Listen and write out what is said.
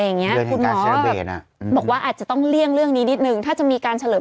คุณหมอก็บอกว่าอาจจะต้องเลี่ยงเรื่องนี้นิดนึงถ้าจะมีการเฉลิม